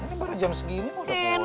ini baru jam segini mah udah pulang